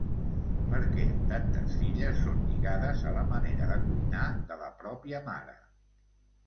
perquè tantes filles son lligades a la manera de cuinar de la pròpia mare